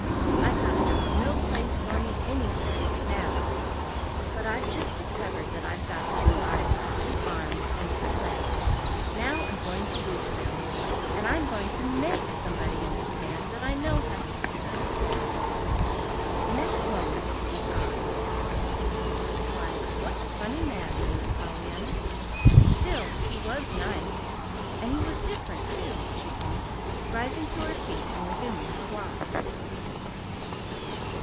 I thought there was no place for me anywhere now. But I've just discovered that I've got two eyes, two arms, and two legs. Now I'm going to use them and I'm going to MAKE somebody understand that I know how to use them!" The next moment he was gone. "Why, what a funny man!" mused Pollyanna. "Still, he was nice and he was different, too," she finished, rising to her feet and resuming her walk.